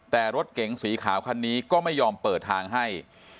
แต่รถเก๋งสีขาวคันนี้ก็ไม่ยอมเปิดทางให้